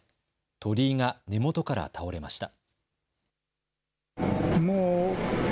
鳥居が根元から倒れました。